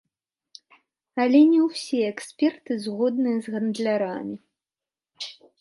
Але не ўсе эксперты згодныя з гандлярамі.